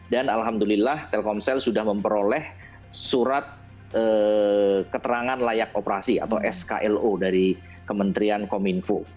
dan alhamdulillah telkomsel sudah memperoleh surat keterangan layak operasi atau sklo dari kementerian kominfo